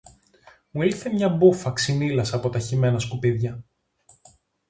Μου ήλθε μια μπούφα ξυνίλας από τα χυμένα σκουπίδια.